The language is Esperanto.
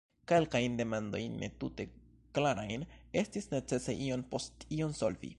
Kelkajn demandojn, ne tute klarajn, estis necese iom post iom solvi.